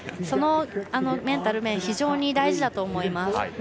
そのメンタル面非常に大事だと思います。